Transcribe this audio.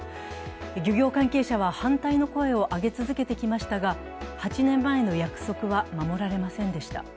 漁業関係者は反対の声を上げ続けてきましたが８年前の約束は守られませんでした。